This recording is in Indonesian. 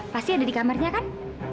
pasti ada di kamarnya kan